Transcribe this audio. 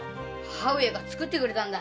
母上が作ってくれたんだ。